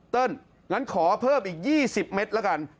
เติ้ลงั้นขอเพิ่มอีก๒๐เมตรแล้วกัน